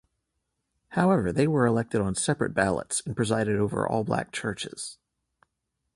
However, they were elected on separate ballots and presided over all-black churches.